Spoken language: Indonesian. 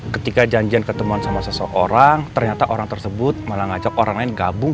ketika janjian ketemuan sama seseorang ternyata orang tersebut malah ngajak orang lain gabung